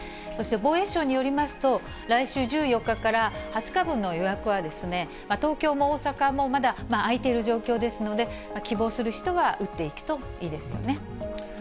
そして防衛省によりますと、来週１４日から２０日分の予約は、東京も大阪もまだ空いている状況ですので、希望する人は打っていくといいですよね。